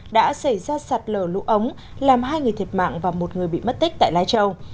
đã xảy ra sạt lở lũ ống làm hai người thiệt mạng và một người bị mất tích tại lai châu